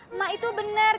emak itu bener